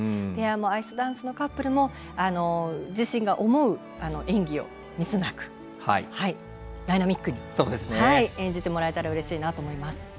ペアもアイスダンスのカップルも自身が思う演技をミスなくダイナミックに演じてもらえたらうれしいなと思います。